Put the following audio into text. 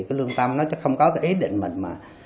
cái lương tâm nó chứ không có cái ý định mình mà